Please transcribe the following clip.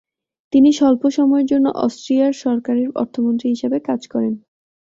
তিনি স্বল্প সময়ের জন্য অস্ট্রিয়ার সরকারের অর্থমন্ত্রী হিসেবে কাজ করেন।